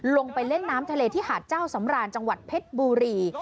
ลงไปเล่นน้ำทะเลที่หาดเจ้าสำราญจังหวัดเพชรบุรี